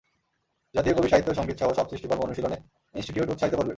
জাতীয় কবির সাহিত্য, সংগীতসহ সব সৃষ্টিকর্ম অনুশীলনে ইনস্টিটিউট উৎসাহিত করবে।